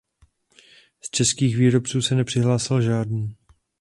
Z českých výrobců se nepřihlásil žádný.